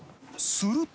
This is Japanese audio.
すると。